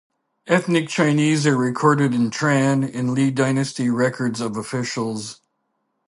Ethnic Chinese are recorded in Tran and Ly dynasty records of officials.